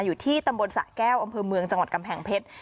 อยู่ที่ตำบลสะแก้วอำเภอเมืองจังหวัดกำแพงเพชร